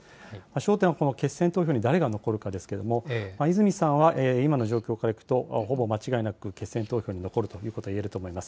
焦点はこの決選投票に誰が残るかですけれども、泉さんは今の状況からいくと、ほぼ間違いなく決選投票に残るということが言えると思います。